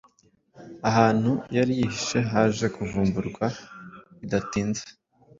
Ahantu yari yihishe haje kuvumburwa bidatinze